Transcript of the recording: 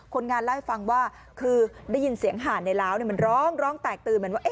คนงานเล่าให้ฟังว่าคือได้ยินเสียงห่านในล้าวมันร้องร้องแตกตื่นเหมือนว่า